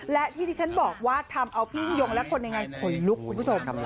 และที่ที่ฉันบอกว่าทำเอาพี่ยิ่งยงและคนในงานขนลุกคุณผู้ชม